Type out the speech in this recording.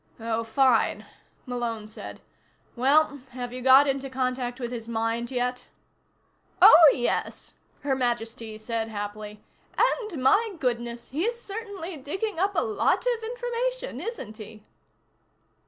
"Oh, fine," Malone said. "Well, have you got into contact with his mind yet?" "Oh, yes," Her Majesty said happily. "And my goodness, he's certainly digging up a lot of information, isn't he?"